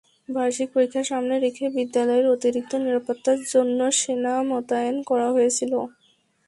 বার্ষিক পরীক্ষা সামনে রেখে বিদ্যালয়ের অতিরিক্ত নিরাপত্তার জন্য সেনা মোতায়েন করা হয়েছিল।